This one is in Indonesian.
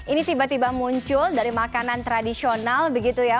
ini tiba tiba muncul dari makanan tradisional begitu ya